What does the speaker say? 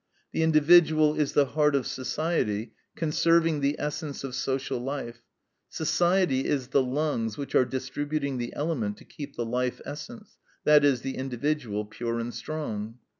The individual is the heart of society, conserving the essence of social life; society is the lungs which are distributing the element to keep the life essence that is, the individual pure and strong.